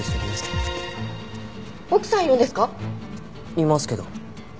いますけど。